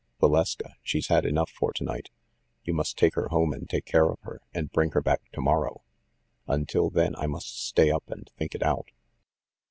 Valeska, she's had enough for to night. You must take her home and take care of her, and bring her back to morrow. Until then I must stay up and think it out."